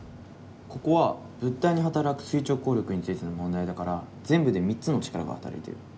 ここは物体に働く垂直抗力についての問題だから全部で３つの力が働いてる。